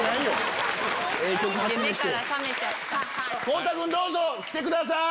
孝太君どうぞ！来てください。